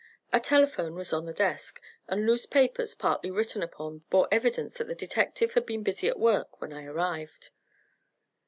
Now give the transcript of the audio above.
A telephone was on the desk, and loose papers partly written upon bore evidence that the detective had been busy at work when I arrived.